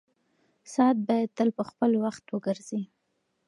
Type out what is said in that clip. ساعت باید تل په خپل وخت وګرځي.